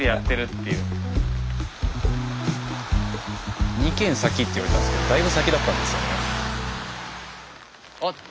スタジオ２軒先って言われたんですけどだいぶ先だったんですよね。